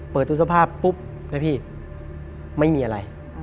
เปิดตู้เสื้อผ้าปุ๊บนะพี่ไม่มีอะไร